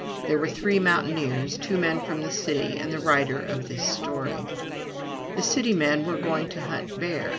There were three mountaineers, two men from the city, and the writer of this story. The city men were going to hunt bear.